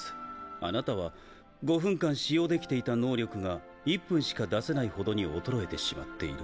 あなたは５分間使用できていた能力が１分しか出せないほどに衰えてしまっている。